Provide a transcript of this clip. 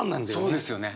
そうですよね。